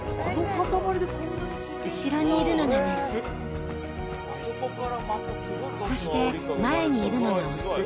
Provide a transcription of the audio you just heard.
後ろにいるのが雌、そして前にいるのが雄。